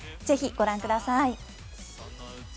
ぜひ、ご覧ください。